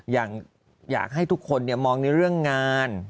อย่างอยากให้ทุกคนเนี่ยมองในเรื่องงาน